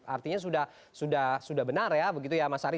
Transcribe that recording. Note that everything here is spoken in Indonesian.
artinya sudah benar ya begitu ya mas ari